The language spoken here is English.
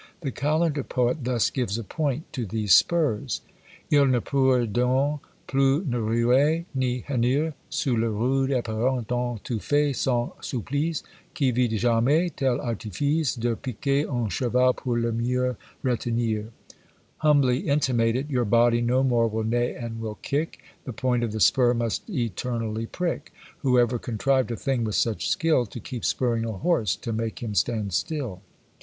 The Kalendar poet thus gives a point to these spurs: Il ne pourra done plus ni ruer ni hennir Sous le rude Eperon dont tu fais son supplice; Qui vit jamais tel artifice, De piquer un cheval pour le mieux retenir! HUMBLY INTIMATED. Your body no more will neigh and will kick, The point of the spur must eternally prick; Whoever contrived a thing with such skill, To keep spurring a horse to make him stand still!